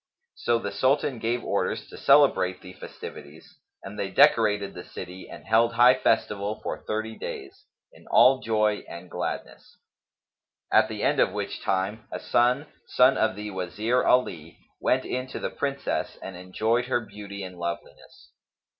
So the Sultan gave orders to celebrate the festivities, and they decorated the city and held high festival for thirty days, in all joy and gladness; at the end of which time, Hasan, son of the Wazir Ali, went in to the Princess and enjoyed her beauty and loveliness.